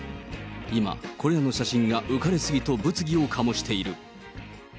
今、これらの写真が浮かれ過ぎと物議を醸している。